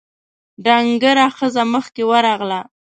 ډنګره ښځه مخکې ورغله: